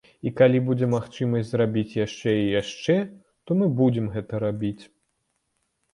І калі будзе магчымасць зрабіць яшчэ і яшчэ, то мы будзем гэта рабіць.